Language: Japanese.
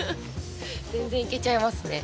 全然いけちゃいますね。